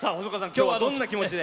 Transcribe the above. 今日は、どんな気持ちで？